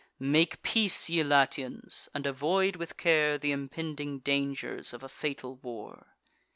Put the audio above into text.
Make peace, ye Latians, and avoid with care Th' impending dangers of a fatal war.